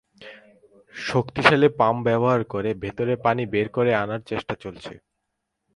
শক্তিশালী পাম্প ব্যবহার করে ভেতরের পানি বের করে আনার চেষ্টা চলছে।